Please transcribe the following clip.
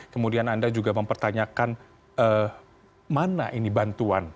kemudian anda juga mempertanyakan mana ini bantuan